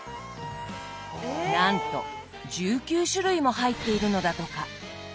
なんと１９種類も入っているのだとか。